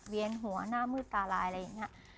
เวียนหัวหน้ามืดตาลายอะไรอย่างนี้